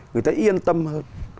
người ta yên tâm hơn